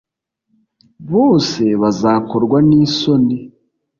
Bose bazakorwa n’isoni,